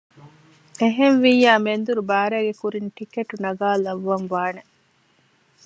އެހެންވިއްޔާ މެންދުރު ބާރައިގެ ކުރިން ޓިކެޓް ނަގާލައްވަން ވާނެ